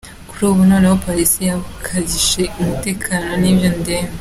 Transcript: Kuri ubu noneho police yakajije umutekano w’iyo ndembe!